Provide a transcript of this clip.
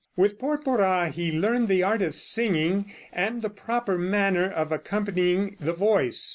With Porpora he learned the art of singing, and the proper manner of accompanying the voice.